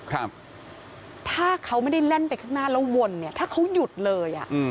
ครับถ้าเขาไม่ได้แล่นไปข้างหน้าแล้ววนถ้าเขาหยุดเลย